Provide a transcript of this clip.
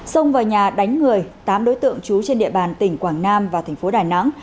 xông vào nhà đánh người tám đối tượng trú trên địa bàn tỉnh quảng nam và thành phố đà nẵng